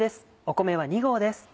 米は２合です。